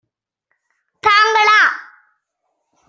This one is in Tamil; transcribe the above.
தாங்களா?